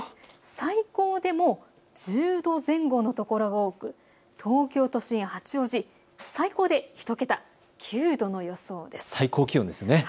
最高でも１０度前後の所が多く東京都心、八王子、最高で１桁、９度の予想です。